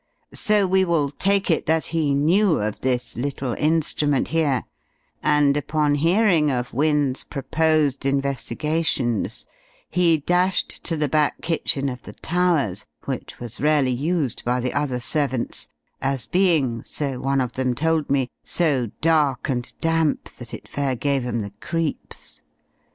So we will take it that he knew of this little instrument here, and upon hearing of Wynne's proposed investigations, he dashed to the back kitchen of the Towers which, was rarely used by the other servants, as being, so one of them told me, 'so dark and damp that it fair gave 'em the creeps.'